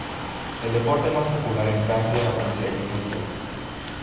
El deporte más popular en Francia es el fútbol.